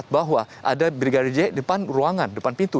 bahwa ada brigadir j depan ruangan depan pintu